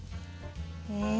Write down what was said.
え？